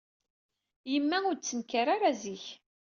Yemma ur d-tettnekkar ara zik.